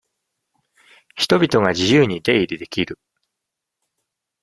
人々が自由に出入りできる。